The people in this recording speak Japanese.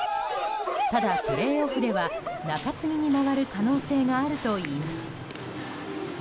ただ、プレーオフでは中継ぎに回る可能性があるといいます。